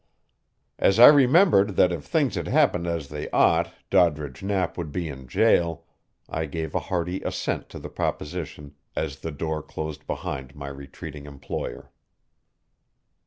As I remembered that if things had happened as they ought Doddridge Knapp would be in jail, I gave a hearty assent to the proposition as the door closed behind my retreating employer.